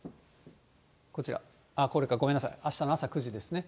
こちら、これか、ごめんなさい、あしたの朝９時ですね。